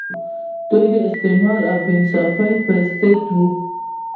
دوی د استثمار او بې انصافۍ پر ضد وو.